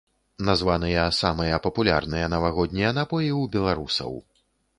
Названыя самыя папулярныя навагоднія напоі ў беларусаў.